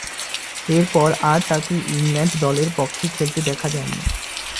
এরপর আর তাকে ইংল্যান্ড দলের পক্ষে খেলতে দেখা যায়নি।